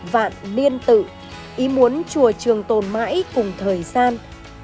vạn niên tự ý muốn chùa trường tồn mãi cùng thời gian